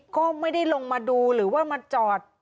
ก็ไม่ได้ลงมาดูหรือว่ามาจอด